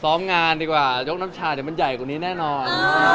ซ้อมงานดีกว่ายกน้ำชาเดี๋ยวมันใหญ่กว่านี้แน่นอน